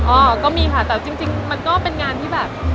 โอ้อก็มีค่ะท่าว่าจริงก็เป็นงานที่แบบ